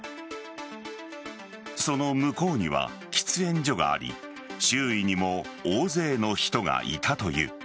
その向こうには喫煙所があり周囲にも大勢の人がいたという。